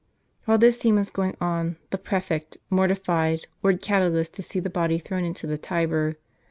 While this scene was going on, the prefect, mortified, ordered Catulus to see the body thrown into the Tiber.